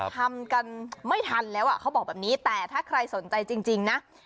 ทำกันไม่ทันแล้วอ่ะเขาบอกแบบนี้แต่ถ้าใครสนใจจริงนะ